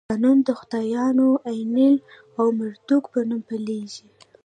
قانون د خدایانو آنو، اینلیل او مردوک په نوم پیلېږي.